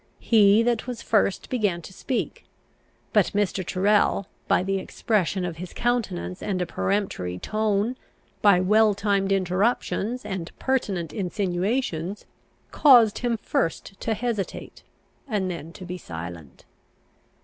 He that was first began to speak; but Mr. Tyrrel, by the expression of his countenance and a peremptory tone, by well timed interruptions and pertinent insinuations, caused him first to hesitate, and then to be silent.